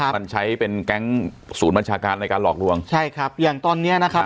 มันใช้เป็นแก๊งศูนย์บัญชาการในการหลอกลวงใช่ครับอย่างตอนเนี้ยนะครับ